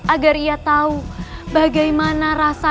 agar ia tahu bagaimana rasa